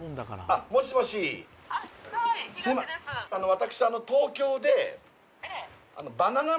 私